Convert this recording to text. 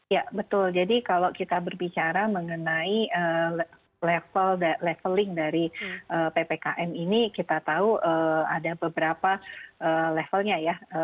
ya betul jadi kalau kita berbicara mengenai leveling dari ppkm ini kita tahu ada beberapa levelnya ya